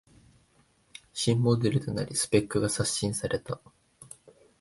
新モデルとなりスペックが刷新された